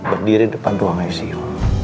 berdiri depan ruang icu